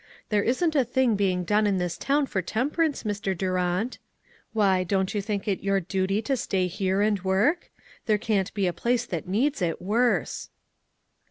There isn't a thing being done in this town for temperance, Mr. Durant. Why, don't you think it your duty to stay here and work ? There can't be a place that needs it worse."